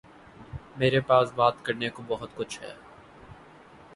میرے پاس بات کرنے کو بہت کچھ ہے